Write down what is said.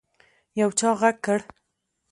يو چا غږ کړ.